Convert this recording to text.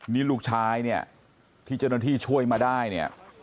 นี่ลูกชายเนี่ยที่เจ้าหน้าที่ช่วยมาได้เนี่ย